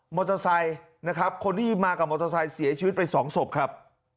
มอเตอร์ไซค์นะครับคนที่มากับมอเตอร์ไซค์เสียชีวิตไปสองศพครับ